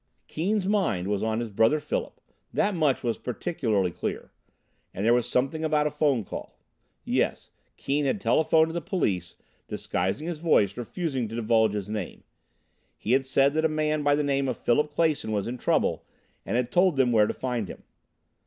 Keane's mind was on his brother Philip: that much was particularly clear. And there was something about a telephone call. Yes, Keane had telephoned to the police, disguising his voice, refusing to divulge his name. He had said that a man by the name of Philip Clason was in trouble and had told them where to find him.